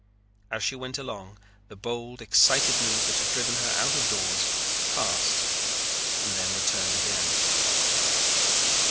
As she went along, the bold, excited mood that had driven her out of doors passed and then returned again.